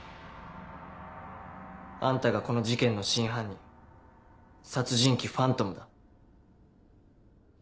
あんたがこの事件の真犯人殺人鬼ファントムだ。